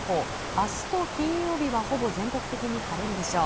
明日と金曜日はほぼ晴れるでしょう。